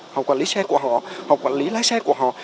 họ quản lý xe của họ họ quản lý lái xe của họ